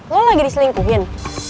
lo lagi diselingkuhin